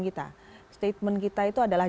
kita statement kita itu adalah